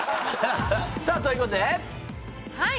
さあということではい